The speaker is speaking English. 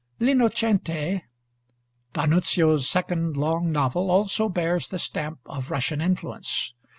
'L'Innocente,' D'Annunzio's second long novel, also bears the stamp of Russian influence.